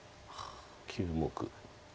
９目。